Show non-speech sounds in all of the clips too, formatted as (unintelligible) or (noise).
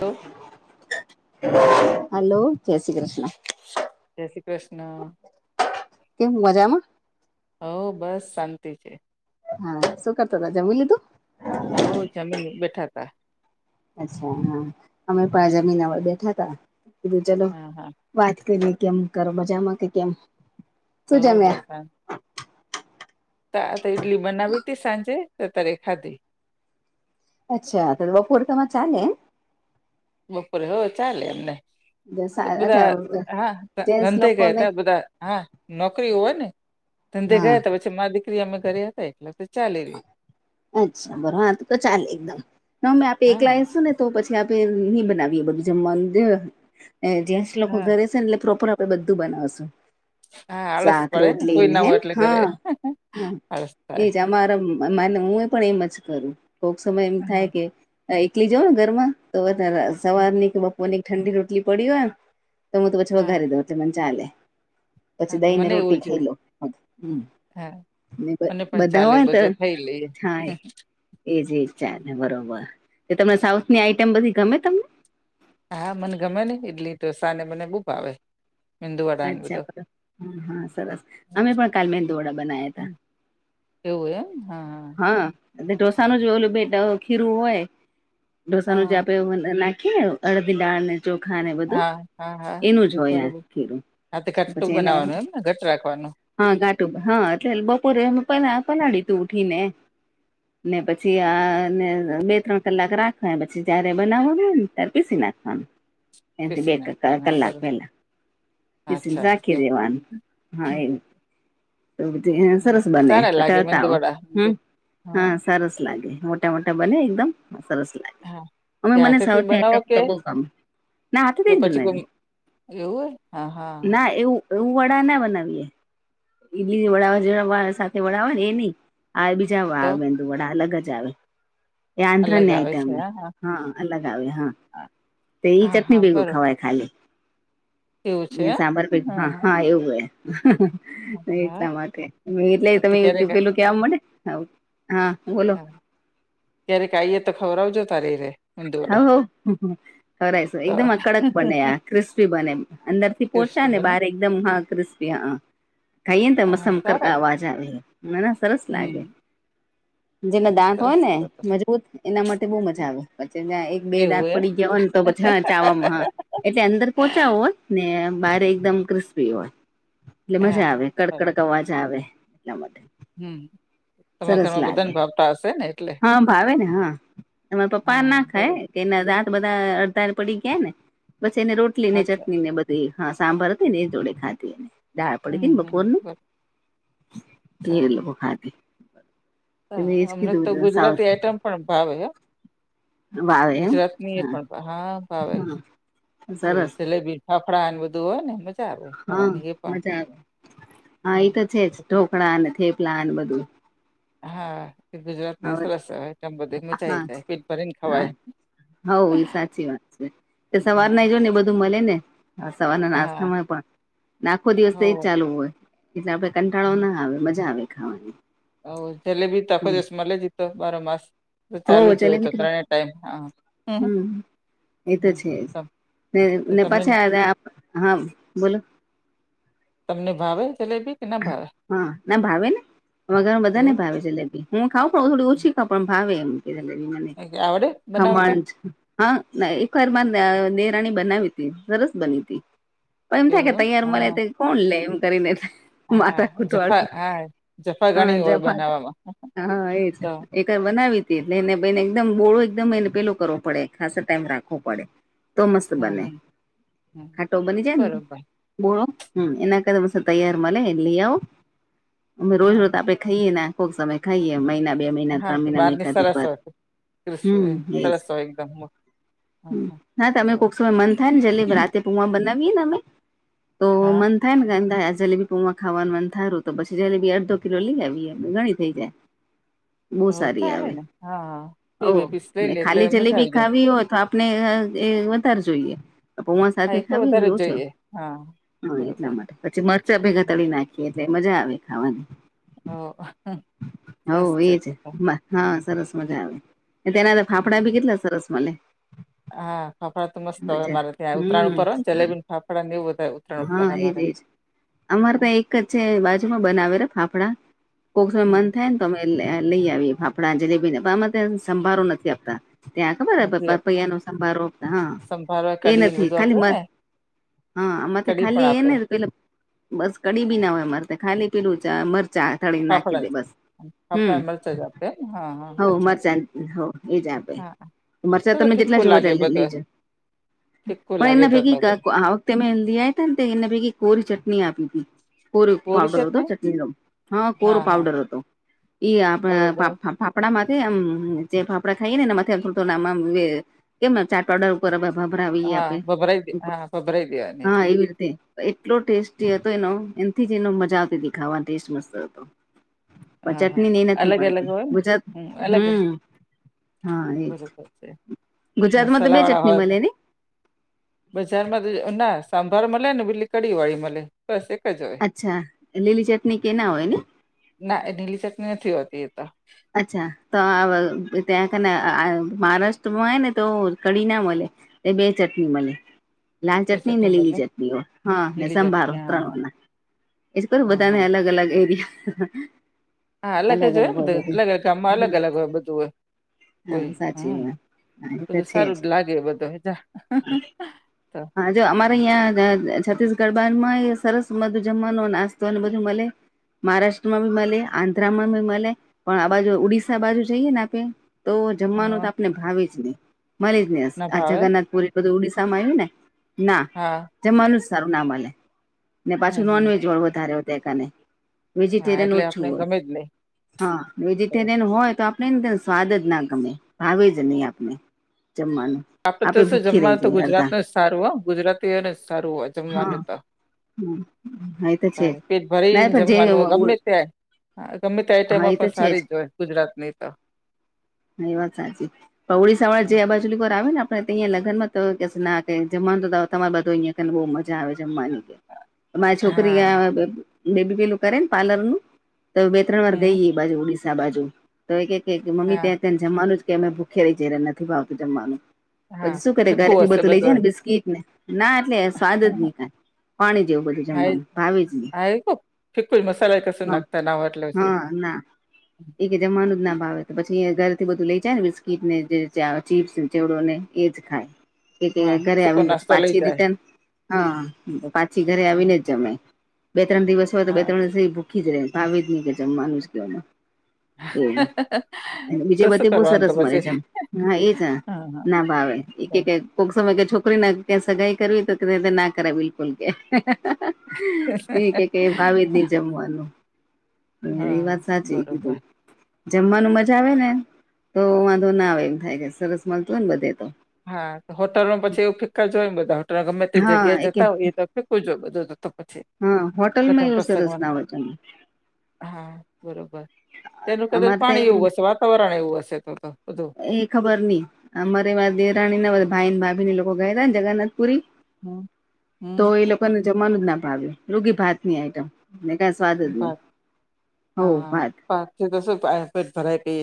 Hello. Hello જય શ્રી કૃષ્ણ. જય શ્રી કૃષ્ણ. કેમ મજામાં. હો બસ શાંતિ છે. હા સુું કરતા તા જમી લીધું. હો જમીને બેઠા તા. અચ્છા હા અમે પાજાામિનાવા બેઠા હતા કીધું ચલો હા હા વાત કરીએ કેમ કરો મજામાં કે કેમ. હો શું બસ જમ્યા શાત. તો આ તો ઈડલી બનાવી તી સાંજે તો તરે ખાધી. અચ્છા તો બપોર તમાં ચાલે એમ. બપોરે હો ચાલે અમને. અચ્છા બધા હા જેન્ટસ ધંધે ગયા લોકોને હતા બધા હા નોકરી હો હોય ને. ધંધે હા ગયા હતા પછી મા દીકરી અમે ઘરે હતા એકલે અચ્છા બરો હા તો તો ચાલે એકદમ ના મે આપે હા એકલા હસું ને તો પછી આપે નહી બનાવીએ બધું જમવાનું જ એ જેન્ટસ લોકો હા ઘરે છે ને એટલે પ્રોપર તો બધું બનાવશુ. હા આળસ પડે ને કોઈ ના હે હોય એટલે ઘરે આળસ થાય. ત્યાં મારમ મને મુ હું એ પણ એમ જ કરું કોક સમય એમ હા થાય કે એકલીજ હઉ ને ઘરમાં તો વધા સવાર હા ની બપો મને એક ઠંડી રોટલી પડી હોય ને તો હું તો પછી હા વઘારી દઉં તે મને ચાલે. હા પછી તો દહી ને મને એવું રોટી જ ખાઈ લઉ હા મને પણ ચાલે દવાય તો બધું ખાઈ લઈએ થાય. એજ એજ ચાલે બરોબર એ તમને સાઉથની આઈટમ બધી ગમે તમને. હા મને ગમે ને ઈડલી ઢોસા ને મને બવ ભાવે. મેંદુ વડા ને બધો અચ્છા હા સરસ અમે પણ કાલ મેદુવડા બનાયા હતા. એવું એમ હા હા હા અને ઢોસાનું જ ઓલું બેટા ખીરું હોય ઢોસાનું જ હા આપે નાખી ને અળદી દાળ ને ચોખા ને બધું હા હા એનું જ હોય આ. બરોબર ખીરું હા તો ઘટું પછી એના બનાવાનું એમને ઘટ રાખવાનું. હા ઘાટું હા એટલે બપોરે પલા પલાડયુ તું ઉઠી ને ને પછી અ આને બે ત્રણ કલાક રાખવા પછી જયારે બનાવા નુ હોય ને ત્યારે પીસી નાખવાનું એ બે પીસી નાખવાનું કલાક હા બરોબર પેલા. પીસીને અચ્છા રાખી એવું દેવાનું હા એમ. તો બ સરસ બને સારા લાગે પતા મેંદુ વડા મેંદુ હમ. હા સરસ લાગે મોટા મોટા બને એકદમ સરસ લાગે. હા અમે તે મને હાથેથી સાઉથ ની બનાવો આઈટમ કે તો બઉ ગમે અમે હાથે કે જ પછી બનાવી. કોઈ એવું હે. હા હા ના એવું તો એ વડા ના બનાવીએ ઇડલી વડા જે વ સાથે વડા હો ને એ નહીં આ બીજા તો આ મેંદુ વડા અલગ જ આવે. એ આંધ્રા અલગ ની આવે છે આઈટમ હા અલગ આવે હા. તે ઈ હા હા ચટણી બગું બરો ખવાય ખાલી. એવું છે ને સાંબાર એમ પીઠ હા હા એવું હ. ને હા એટલા માટે એટલે તો તમે કે ક્યારેક પેલું ત્યાં મળે હાઉ હા ઓલ ક્યારે કઈએ તો ખવરાવજો તારી રે. હઓ મેંદુવડા હઓ. ખરા છે તો એકદમ આ કડક બને આ ક્રિસ્પી બને અંદર થી ટેસ્ટી પોહોંચ્યા ને બ બને એકદમ હા ક્રિસ્પી. એ હા ખાઈએ તો હા મસમ કર સારા અવાજ આવે મને સરસ લાગે. હમ જેના દાંત હોય સરસ ને તો તો મજબૂત એના માટે બહુ મજા આવે પછી જા એક બે દાંત એવું પડી જવા ને તો પછી હા ચામાં, હા. એટલે અંદર પોહોંચા હોય, ને બારે એકદમ ક્રિસ્પી હોય. એટલે એમ હા મજા આવે હા બરાબર કડકડ અવાજ આવે એટલા માટે. હમ તમારા સરસ ઘરમાં લાગે. બધાને ભાવતા હશે ને એટલે હા ભાવે ને હા. એમાં પપ પા હા બરોબર નાખાય કે રાત બધા અડધા પડી ગયા ને, પછી એને રોટલી ને અચ્છા ચટણી ને બ તે હા સાંભાર હતી ને એ જોડે ખાધીને દાળ પડી હમ હતી ને હમ બપોરનું બરોબર તે લોકો ખાદી. તો હા અમને તો ગુજરાતી આઈટમ પણ ભાવે હ. વાવે એમ ગુજરાતની એ હા પણ, હા ભાવે હા બ સરસ જલેબી ફફડા ને બધું હોય ને આવે હા, ખાવાની એ પણ મજા આવે, હા એઈ તો છે જ ઢોકળા અને થેપલા અને બધું. હા, એ ગુજરાત ની હવે સરસ આઈટમ બધી મચાઈ જાય પીટ ભરીને ખવાય. હઉ, એ સાચી વાત છે. તે સવાર હા ના જો ને બધું મલે ને હા, સવારના હા નાસ્તામાં પણ ને નાખો હો દિવસ એજ ચાલુ હોય. એટલે આપે કંટાળો ના આવે, મજા આવે ખાવાની. હ, ઓ જલેબી તકો હમ દિવસ મલે જીતો બાર માસ. ચાલુ હો જ જો હોય જલેબી તો ત્રણેય ટાઈમ હા. હમ એ તો હમ. છે જ, તમ ને તો ને તમને પછા આવે હા બોલો. તમને ભાવે જલેબી? કે ના ભાવે હા, ના ભાવે ને અમારે ઘરે બધા ને એવું ભાવે જલેબી. હું ખાવં પણ થોડી ઓછી ખા પણ ભાવે એમ કે જલેબી મને કે આવડે બનાવતા ખમણ હા ના એકવારમાં દરાણી બનાવી તી, સરસ બની હતી. પણ એમ થયા કે એવું તૈયાર મરે હા તે તો કોણ લે એમ કરીને થાય. હા માતા કુટવાળ જફા હા જફા હા ઘણી હોય જફાત બનાવવામાં હા એ છે. તો એકર બનાવી હતી, એટલે એને બેને એકદમ બોળો એકદમ એને પેલું કરવો પડે ખાશું ટાઈમ રાખવો પડે. તો મસ્ત હમ બને, હમ હમ ખાટો બની જાય ને બરોબર બોલો હમ્મ એના કર મ તૈયાર મળે લઈ આવો અમે રોજ રોજ હા આપે ખાઈએ ના કોક સમય ખાઈએ મહિના બે મહિના, હા ત્રણ તો મહિનામાં બહારની એકાધિક સરસ વાર હોય ક્રિસ્પ હમ્મ એજ. સરસ હોય એકદમ હા હમ્મ હા ના તમે બરોબર કોક સમય મન થાય ને જલેબી રાતે તું આ બનાવીયએ ને અમે તો હા મન થાય ને ગ જલેબી તોમાં ખાવાનું મન થાયું તો પછી જ બી અડધો કિલો લઈ આવીએ ઘણી થઈ જાય. બહુ તો સારી ચાલે આવે ને હા બે ઓ બે પીસ લઈ ને લે એટલે ખાલી મજા જલેબી આવી જાય ખાવી હોય તો આપ ને હં એ વધાર જોઈએ. પૌવા હા એ સાથે તો ખાવીને વધારે જ (unintelligible) છો, જોઈએ હા હં એટલા બરોબર માટે. પછી મરચા ભેગા તળી નાખીએ એટલે મજા આવે ખાવાની. હ, સરસ છે (unintelligible) હાં, સરસ મજા આવે, તેના તો હમ. ફાફડા બી કેટલા સરસ મલે. હા ફાફડા તો મસ્ત આવે મારે ત્યાં ઉત્તરાયણ હમ ઉપર હોયને જલેબી ફાફડા ને એવું બધુ ઉત્તરાયણ પર હા એજ અમારે. એજ અમારે તો એક જ છે, બાજુમાં બનાવેરા ફાફડા કોક વાર હમ મન થા ને તો અમે લે લઈ આવીએ ફાફડા જલેબી ને અમાં ત્યાં સંભારો નથી આપતા. ત્યાં ખબર પ નથી આપતા પપૈયા નો સંભારો હાં સંભાળવા એ કઢી ને નથી, બધું ખાલી આપે મ ને હાં, આમાંથી કઢી પણ ખાલી આપે એને જ પેલા બસ કઢી બી ના હોય મારે તાં ખાલી પેલું ચ મરચાં તળીન નાંખી ફાફડા દે જ બસ ફાફડા હમ્મ, ને મરચાં જ આપે એમ હા હા હવ અચ્છા મરચાં ન હવ એજ આપે. હા તો મરચા તો તમે જેટલા ફીક્કું જોવે લાગે એટલા બધું લેજા ફીક્કું પણ લાગે એના તો તો ભેગી બધું (unintelligible) તેમે લીયા ય તા ને તો એના ભેગી કોરી ચટની આપી તી. કોરો પૂરી પાવડર છે જ હતો ને ચટણી નો હાં કોરો હા હા પાવડર અતો. એ આપે બરોબર ફાફ ફાફ ફાફડામાંથે આમ જે ફાફડા ખાઈએને એનામાંથે (unintelligible) કેમ ચાટ પાવડર બરાબર ભાભરાવીય હા આપે ભભરાઈ દે હા ભભરાઈ દેવાની હા એવી રીતે એટલો ટેસ્ટી હતો એનો એનથી જ એનો મજા આવતી તી ખાવા ટેસ્ટ મસ્ત હતો. પણ હા હા ચટણીને એ નથી અલગ અલગ મળતી હોય ને ગુજરાત હમ અલગ હં હા હમ એજ બરોબર છે ગુજરાતમાં તો બે મસાલા ચટની મલેને બજાર માં તો ના સાંભાર મલે ને પેલી કઢી વાળી મલે બસ એક જ હોય. અચ્છા લીલી ચટની કે એ ના હોય ને. ના એ લીલી ચટની નથી હોતી એ તો અચ્છા તો અ ત્યાં કને અ મહારાષ્ટ્રમાં હે ને તો કઢી ના મલે એ બે ચટની મલે લાલ બે ચટની ને ચટણી લીલી બદલે ચટની હોય હા ને નીલી સંભારો ચટણી હા હા ત્રણ (unintelligible) એજ કરું હા હા બધાને અલગ અલગ એરિયા હા અલગ જ હોય ને તો અલગ ગામમાં અલગ અલગ હોય બધું હોય હોય હા સાચી હમ્મ વાત હા એ તો બધું છે સારું જ લાગે બધાને ત્યાં હાં જો અમારે અહીં છત્તીસગઢ (unintelligible) માંય સરસ મધું જમવાનું નાસ્તોને બધું મલે મહારાષ્ટ્રમાં બી મલે આંધ્રામાં બી મલે. પણ આ બાજુ ઉડિશા બાજુ જઈએ ને આપે તો જમવાનું તો હા આપને ભાવે જ નઈ. મલે જ નઈ ના આ ભાવે જગન્નાથપુરી ન બધું ઉડિશામાં આયવુ ને ના હા. જમવાનુ જ સારું ના મલે ને હમ પાછું હમ નોનવેજ વાળુ વધારે હોય ત્યાં કને હા વેજીિટેરિયન એટલે ઓછું આપણે હોય ગમે જ હા નહી વેજીટેરિયન હોય તો આપને એન તો સ્વાદ જ ના ગમે ભાવે જ નહી આપને જમવાનું. આપડે તો આપે શું ભૂખી રહી જમવા તો જઈ અડધા ગુજરાતનું જ સારું હો ગુજરાતીઓને જ સારું હોય હા જમવાનું તો. હા એ તો છે તાર જ પેટ ના ભરીને પણ જે જમવાનું હોય ગમે ત્યાં- હા ગમે તે આઈટમો હા એ તો પણ છે જ સારી જોય ગુજરાતની તો. એ વાત સાચી. અ ઓડિસાવાળ જે આ બાજુ (unintelligible) આપણે તઈયા લગનમાં તો કે સ ના તે જમવાનું તો તમારે બાજુ અઈયા એન બઉ મજા આવે જમવાની મારી છોકરી હા આ બેબી પેલું કરે ને પાર્લરનું તો બે ત્રણ વાર ગઈ હમ એ બાજુ ઓડિશા બાજુ તો એ કેએક મમ્મી હા ત્યાં તને- જમવાનું જ કે અમે ભૂખ્યા રહી જાય નથી ભાવતું જમવાનું. હા પછી શું કરે ફીકું ઘરેથી હશે બધું લઈ જાય ને બિસ્કીટ ને? ના એટલે સ્વાદ જ ની કાંય. પાણી જેવું બધું હા એ જમવાનું ભાવે જ ની. હા એ કઉ ફીકું જ મસાલા એ હ કશું નાખતા ના હોય એટલે પછી હા ના. એ કે જમવાનું જ ના ભાવે તો પછી ઘરેથી બધું લઇ જાય ને બિસ્કીટ ને જે ચીપ્સ, ચેવડો ને એ જ ખાય. એતે હા ઘરે સૂકો આવીને પછી નાસ્તો લઈ પાછી જાય રિટર્ન હા પાછી ઘરે હમ્મ, આવીને જ જમે. બે ત્રણ દિવસ હોય તો બે હા ત્રણ દિવસે ઈ ભુ ખી રે ભાવે જ ની કે જમાનુસ ક્યો માં. એવું અને બીજે તો શું બધેય બહુ કરવાનું તો સરસ મલે પછી છે. હા એજ ને. હા ના ભાવે એ કે હા કે કોક સમય કે છોકરીને કે સગાઈ કરવી તો ના કરાય બિલકુલ કે. એ કે કે ભાવે જ નહી જમવાનું. હા હા (unintelligible) જમવાનું મજા આવે ને તો વાંધો ના આવે એમ થાય કે સરસ મલતું હોય ને બધે તો. હા. તો હોટલમાં પછી એવું ફિક્કા જ હોયને બધા હોટલમાં ગમે તે જગ્યાએ હા કે જતાં હોય એ તો ફીક્કૂ જ હોય બધું તો પછી હા હોટલમાંય લગ્ન એવું સરસ પ્રસંગમાં ના (inaudible) હા બરોબર. ત્યાંનું કદાચ અમારે તો પાણી એમ એવું હશે વાતાવરણ એવું હશે તો તો બધું એ ખબર ની. અમારે વા દેરાણીના ભાઈ ન ભાભી ને એ લોકો ગયાતા ને જગન્નાથ પુરી હમ તો હમ એ લોકોને જમવાનું જ ના ભાવ્યું. રૂગી ભાતની આઈટમ ને કાઇ સ્વાદ જ નહી. ભાત હવ હા હા, ભાત ભાતથી તો શુ થાય? પેટ ભરાઈ બે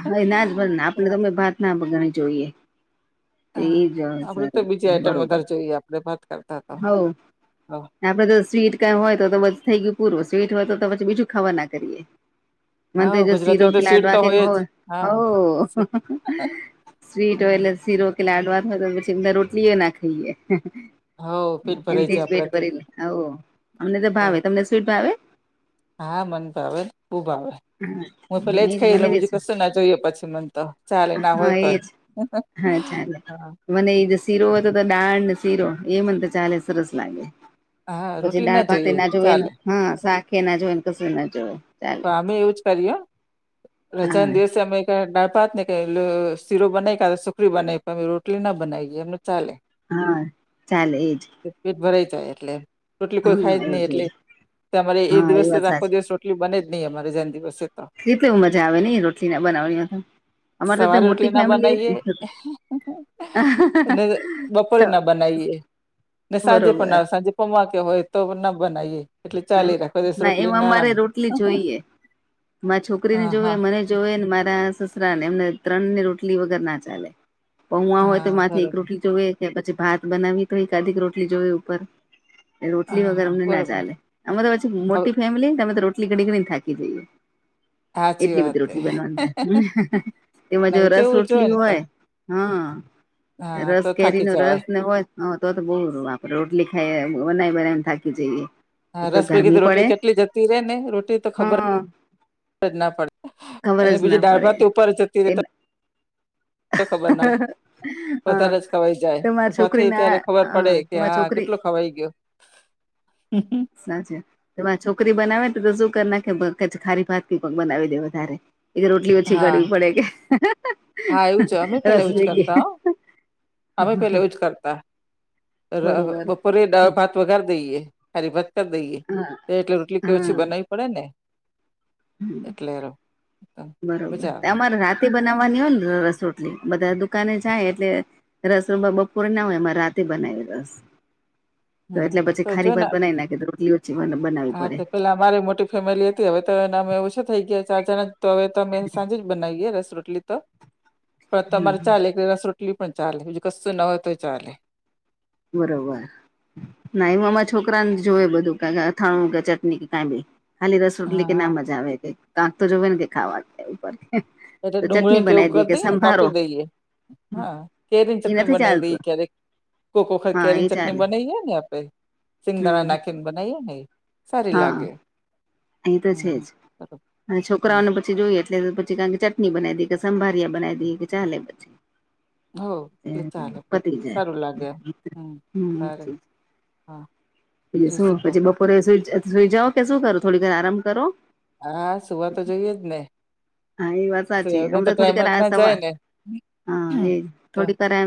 હવે ના જ ભરાયને. આપણે તો ઓમય ભાત (unintelligible) જોઈએ. હા તેવી જ (unintelligible) આપડે તો હવે બીજી આઈટમ બરોબર વધારે જોઈએ આપડે ભાત કરતા તો હવ હા આપડે તો સ્વીટ કાઈ હોય તો તો પછી થઈ ગ્યું પૂરું. સ્વીટ હોય તો પછી બીજું ખાવા ના કરીએ. મન તે હા, જો શીરો ગુજરાતી કે અંદર સ્વીટ તો લાડવા કૈંક જ હોય. હા હોવ સ્વીટ હોય એટલે શીરો કે લાડવા હોય તો પછી એમ થાર રોટલીયે ના ખઈએ. હવ પેટ ભરાય એનથી જ જાય પેટ આપડાથી ભરી લો હાઓ. અમને તો ભાવે. તમને સ્વીટ ભાવે? હા. મન ભાવે ન‌. બો ભાવે હુંત પેલા એજ ખઈ મને લઉં બી બીજું છે. કશું ના જોઈએ પછી મને તો. ચાલે ના હા હોય તોય. એજ હહહ હા ચાલે હ મને ઇ જે શીરો હોય તો તો દાળ ને શીરો એય મન તો ચાલે. સરસ લાગે. હા પછી રોટલી દાળભાતે જોઈએ ના જોવે ને ચાલે હા શાકે ના જોવે ને કશું ના જોવે ચાલે. અમેંય એવું જ કરીએ હો. હા રજાના દિવસે અમે ક‌એક દાળભાત ને કે લો શીરો બનાવી કાઢો સુખડી બનાવી પણ રોટલી ના બનાવીએ એમને ચાલે. હા ચાલે એજ. પેટ ભરાઈ જાય એટલે રોટલી કોઈ હા ખાય જ નહિ એજ એટલે એજ તમારે એ હા દિવસ તો વાત સાચી આખો દિવસ રોટલી બને જ નહીં અમારે રજાના દિવસે તો ઈત કેવું મજા આવે ન‌ઈ? રોટલી ના બનાવાની હોય તો અમારે ત્યાં સવારે રોટલી મોટી ના ફેમિલી બનાવીએ થ અહાહહ કોઈ ના બનાવીએ ને સાંજે પણ બરોબર ના સાંજે પૌઆ કે હોય તો પણ ના બનાવીએ એટલે હ ચાલી રાખો દસ ના એમ રોટલી ને અમારે આરામ રોટલી જોઈએ. મારી છોકરીને હા જોવે, હા મને જોવે, ને મારા સસરાને, એમને ત્રણ ને રોટલી વગરના ચાલે પૌઆ હોય તો હા માથે એક બરોબર રોટલી જોવે કે પછી ભાત બનાવી તો એકાદીક રોટલી જોવે ઉપર રોટલી હા વગર હા અમને ના બરોબર ચાલે. અમે તો પછી હવે મોટી ફેમિલી ને અમે તો રોટલી કરી કરીને થાકી જઈએ. સાચી એટલી વાત બધી રોટલી બનાવાની થાય, હમ્મ એમાં જો નહી રસ તેવું જોય રોટલી ને તો હોય હા, હા રસ તો કેરી થાકી નો જવાય રસ ને હોય હ તો તો બહુ આપડે રોટલી ખાઈયે, બનાઇ બનાઇન થાકી જઈએ. એક હા, રસ ભેગી ગરમી તો પડે રોટલી કેટલી જતી રે ને, રોટલી તો ખબર હા જ ના પડે, ખબર અને જ ના બીજી પડે દાળભાત ઉપર જતી રે તો ખબર ના હ, પડે વધારે જ ખવાઈ જાય તમાર ઊભા છોકરી, થઈ ના ત્યારે ખબર પડે હ કે તમાર હા છોકરી (inaudible) હમ્મ હમ્મ સાચે, એમાં છોકરી બનાવે ને તો શું કર નાખે, ભગજ ખારી ભાતથી બનાવી દે વધારે એ રોટલી ઓછી હા કરવી પડે કે, હેંહ હા એવું છ અમે પેલા એવું જ કરતા હો, અમે પેલા એવું જ કરતા. ર બરોબર બપોરે દાળભાત વઘાર દઈએ, ખાલી ભાત કર દઈએ. હા એટલે રોટલી તો ઓછી બનાવી પડે ને એટલે હ બરોબર, મજા તે આવે અમાર રાત તે બનાવવાની હોય ને રસરોટલી, બધા દુકાને જાય એટલે રસ હમારે બપોરે ના હોય, એમે રાતે બનાવે રસ. હમ તો હમ એટલે પછી જો ખારી ને ભાત બનાવી નાખે, તો રોટલી ઓછી બના હા તો પેલા અમારે મોટી ફેમિલી હતી, હવે તો એને અમે ઓછો થઈ ગયા ચાર જણા, તો હવે તો અમે સાંજે જ બનાવીયએ, રસ રોટલી તો. પણ તમારે ચાલે, કે રસ રોટલી પણ ચાલે, બીજુ કશું ન હો તોય ચાલે. બરોબર. ના એમા મા છોકરાને જોવે બધું, કાલે અથાણું કે ચટણી કે કઈ બી ખાલી રસ હા રોટલી કે ના હા મજા આવેતે, કાંક તો જોવે ને કે ખાવા ઉપરથી. એટલે ડુંગળી કેવું કરી દઈએ ને કાપી દઈએ. હા કેરીન એ ચટણી નથી બનાઈ ચાલતું દઈયે ક્યારે કો કો વખત હા એ કેરીની ચટણી ચાલે બનાઈએ ને આપણે, સિંગદાણા હમ નાખીને બનાવીયએ ને સારી લાગે. અહીં તો હમ છે હમ જ. અને હા છોકરાઓને પછી જોઈએ, એટલે પછી કણ કે ચટણી બનાવી દકે, સંભારિયા બનાવી દઈએ કે, ચાલે. હો એટલે ચાલે પતિ બધું જાય સારું લાગે એમ હમ હ. સારે હા. પ બીજું શું, કહો પછી બપોરે સૂઈ સુઈ જાઓ કે શું કરો, થોડી દેર આરામ કરો? હા સુવા તો જોઈએ જ ને. હા એ વાત સાચી, સુવા વગર અમ તો થોડી ટાઈમ કર જ ના જાય સવાર ને હા, એજ તો થોડી કરમ